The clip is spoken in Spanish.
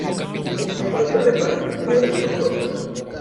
A falta de pan, buenas son tortas.